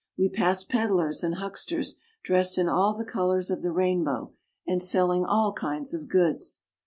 We pass peddlers and hucksters dressed in all the colors of the rainbow, and selling all kinds of goods.